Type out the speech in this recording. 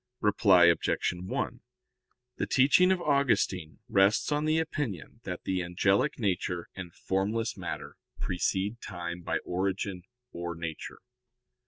Reply Obj. 1: The teaching of Augustine rests on the opinion that the angelic nature and formless matter precede time by origin or nature.